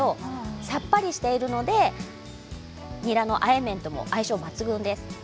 さっぱりしているのでにらのあえ麺とも相性抜群です。